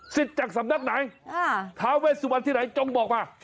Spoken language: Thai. สิทธิ์จากสำนักไหนถาเวชสุวรรณที่ไหนต้องบอกมา